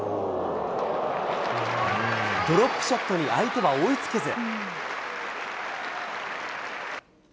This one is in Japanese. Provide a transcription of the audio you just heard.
ドロップショットに相手は追いつけず。